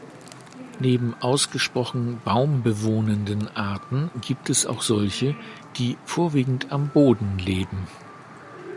Neben ausgesprochen baumbewohnenden Arten gibt es auch solche, die vorwiegend am Boden leben.